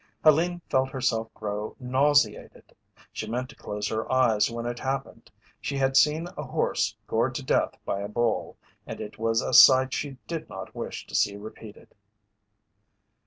Helene felt herself grow nauseated. She meant to close her eyes when it happened. She had seen a horse gored to death by a bull and it was a sight she did not wish to see repeated.